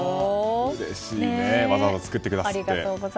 うれしいですねわざわざ作ってくださって。